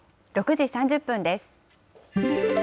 ６時３０分です。